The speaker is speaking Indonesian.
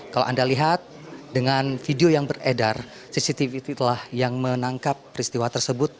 kalau anda lihat dengan video yang beredar cctv itu telah yang menangkap peristiwa tersebut